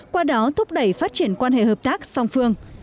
qua đó thúc đẩy phát triển quan hệ hợp tác song phương